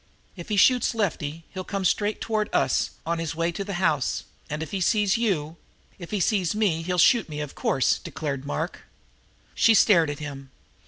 "If he shoots Lefty he'll come straight toward us on his way to the house, and if he sees you " "If he sees me he'll shoot me, of course," declared Mark. She stared at him.